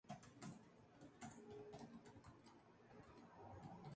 Esta expansión oficial es el único basado en "Half-Life" con la pantalla dividida.